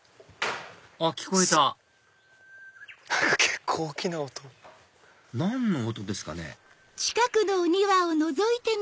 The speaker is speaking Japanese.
あっ聞こえた結構大きな音。何の音ですかね？